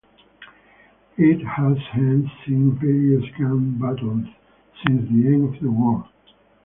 It has hence seen various gun battles since the end of the war.